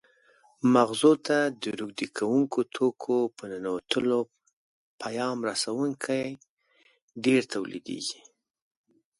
مغزو ته د روږدي کوونکو توکو په ننوتلو پیغام رسوونکي ډېر تولیدېږي.